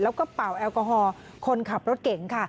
แล้วก็เป่าแอลกอฮอล์คนขับรถเก่งค่ะ